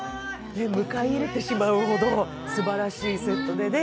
迎え入れてしまうほどすばらしいセットで、